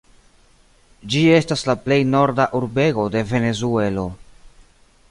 Ĝi estas la plej norda urbego de Venezuelo.